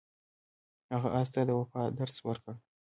هغه اس ته د وفا درس ورکړ.